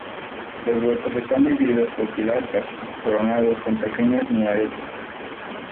Los huecos están divididos por pilastras, coronados con pequeños minaretes.